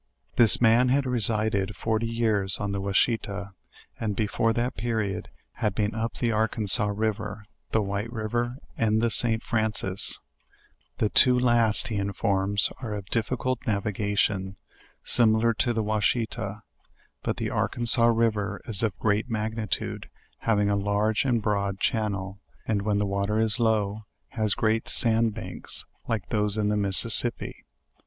Tliis man had resided forty years on the Washita, and be fore that period, had been up the Arkansas river, the White river, and the St. Francis; the two last, he informs, are of difficult navigation, similar to the Washita: but the Arkan sas river is of great magnitude, having a large and broad channel, and when the water is low, has great sand banks,. lik$ those in the Mississippi.